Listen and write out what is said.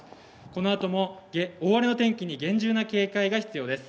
この後も大荒れの天気に厳重な警戒が必要です。